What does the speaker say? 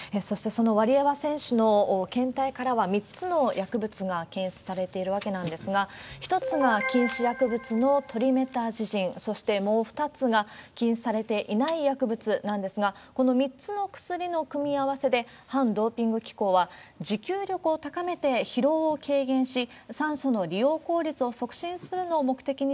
そしてそのワリエワ選手の検体からは３つの薬物が検出されているわけなんですが、１つが禁止薬物のトリメタジジン、そしてもう２つが、禁止されていない薬物なんですが、この３つの薬の組み合わせで、反ドーピング機構は、持久力を高めて疲労を軽減し、